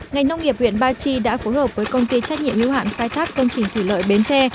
ngành nông nghiệp huyện ba chi đã phối hợp với công ty trách nhiệm lưu hạn khai thác công trình thủy lợi bến tre